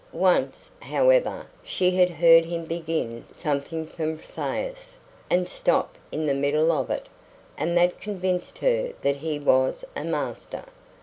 Once, however, she had heard him begin something from Thais, and stop in the middle of it; and that convinced her that he was a master.